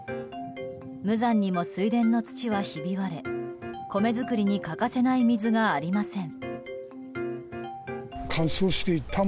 無残にも水田の土はひび割れ米作りに欠かせない水がありません。